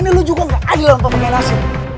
selama ini lu juga gak adil untuk mengenai hasil